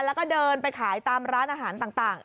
แล้วก็เดินไปขายตามร้านอาหารต่าง